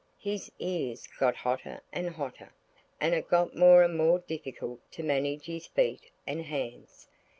His ears got hotter and hotter, and it got more and more difficult to manage his feet and hands.